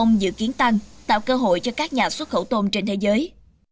ông dự kiến tăng tạo cơ hội cho các nhà xuất khẩu tôm trên thế giới